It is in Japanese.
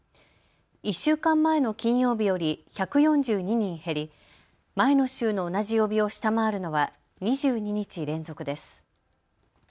１週間前の金曜日より１４２人減り前の週の同じ曜日を下回るのは２２日連続です。